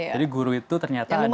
jadi guru itu ternyata ada